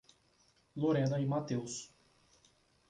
Lorena e Matheus